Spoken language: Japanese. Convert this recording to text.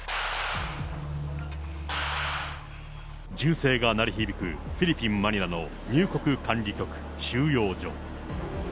銃声が鳴り響くフィリピン・マニラの入国管理局収容所。